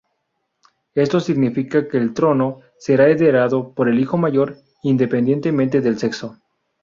Esto significaba que el trono será heredado por el hijo mayor, independientemente del sexo.